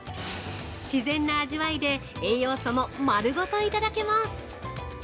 自然な味わいで、栄養素も丸ごといただけます。